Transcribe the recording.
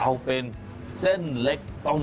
เอาเป็นเซ่นเล็กต้มหยำมะนาวการ์